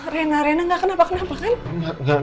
rena arena gak kenapa kenapa kan